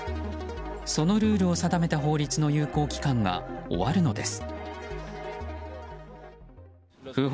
そのルールを定めた法律の有効期間が終わるのです。